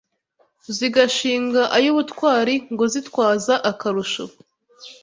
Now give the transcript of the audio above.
Zigashinga ay’ubutwari Ngo zitwaza akarusho